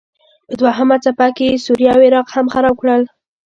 په دوهمه څپه کې یې سوریه او عراق هم خراب کړل.